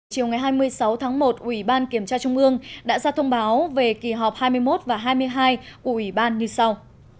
chiều ngày hai mươi sáu tháng một ủy ban kiểm tra trung ương đã ra thông báo về kỳ họp hai mươi một và hai mươi hai của ủy ban như sau